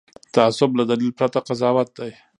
تعصب له دلیل پرته قضاوت دی